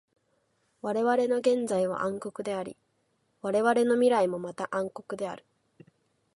われわれの現在は暗黒であり、われわれの未来もまた暗黒である。